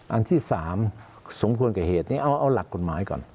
อันที่๓สมควรกับเหตุนี้เอาหลักกฎหมายก่อน